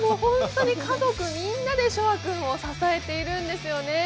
家族みんなで翔海君を支えているんですよね。